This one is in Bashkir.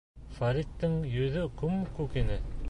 Фәриттең йөҙө күм-күк ине...